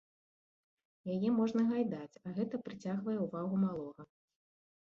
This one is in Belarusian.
Яе можна гайдаць, а гэта прыцягвае ўвагу малога.